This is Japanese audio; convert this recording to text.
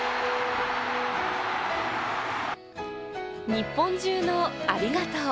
日本中の「ありがとう」。